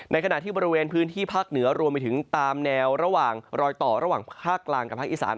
ขณะที่บริเวณพื้นที่ภาคเหนือรวมไปถึงตามแนวระหว่างรอยต่อระหว่างภาคกลางกับภาคอีสาน